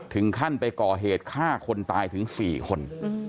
ถึงขั้นไปก่อเหตุฆ่าคนตายถึง๔คน